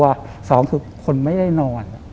อย่างสองคือคุณไม่ได้นอน